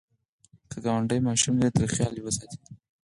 که ګاونډی ماشوم لري، ترې خیال وساته